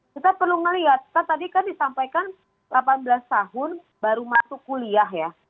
kita perlu melihat kan tadi kan disampaikan delapan belas tahun baru masuk kuliah ya